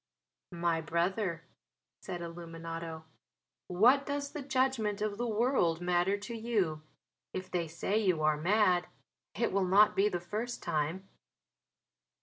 "My brother," said Illuminate, "what does the judgment of the world matter to you? If they say you are mad it will not be the first time!"